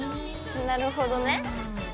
なるほどね。